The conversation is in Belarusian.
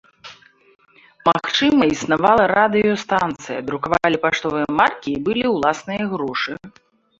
Магчыма існавала радыёстанцыя, друкавалі паштовыя маркі і былі ўласныя грошы.